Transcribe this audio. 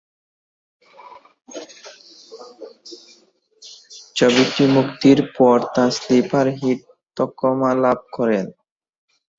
ছবিটি মুক্তির পর তা স্লিপার হিট তকমা লাভ করে।